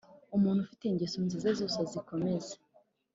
Umuntu ufite ingeso nziza zose azikomeze.